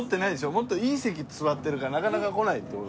もっといい席座ってるからなかなか来ないって事。